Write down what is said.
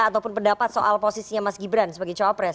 ataupun pendapat soal posisinya mas ghibren sebagai cowok pres